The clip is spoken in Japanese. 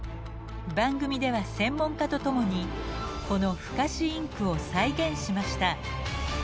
番組では専門家と共にこの不可視インクを再現しました。